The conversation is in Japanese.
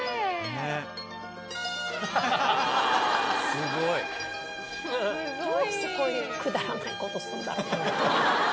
すごい。どうしてこういうくだらないことすんだろ。